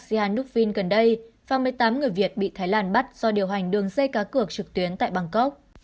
xihanoukvin gần đây và một mươi tám người việt bị thái lan bắt do điều hành đường dây cá cửa trực tuyến tại bangkok